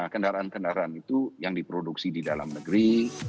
kendaraan kendaraan itu yang diproduksi di dalam negeri